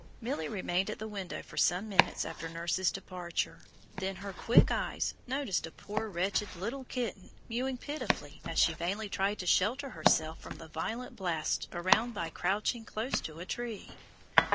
Milly remained at the window for some minutes after nurse's departure, then her quick eyes noticed a poor wretched little kitten mewing pitifully as she vainly tried to shelter herself from the violent blasts by crouching close to a tree.